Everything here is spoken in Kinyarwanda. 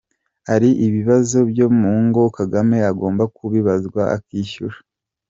-Ari ibibazo byo mu ngo, Kagame agomba kubibazwa akishyura.